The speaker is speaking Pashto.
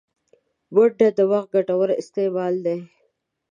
منډه د وخت ګټور استعمال دی